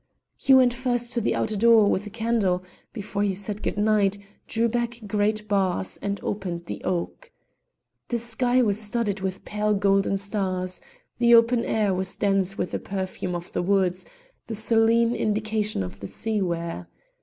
He went first to the outer door with the candle before he said good night, drew back great bars, and opened the oak. The sky was studded with pale golden stars; the open air was dense with the perfume of the wood, the saline indication of the sea ware.